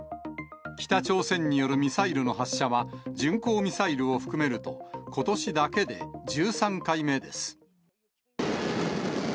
北朝鮮によるミサイルの発射は、巡航ミサイルを含めると、ことしだけで１３回目です。